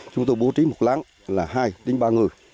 chúng tôi bố trí một láng là hai đến ba người